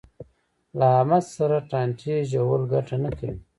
له احمد سره ټانټې ژول ګټه نه کوي.